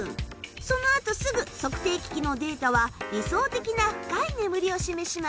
その後すぐ測定機器のデータは理想的な深い眠りを示します。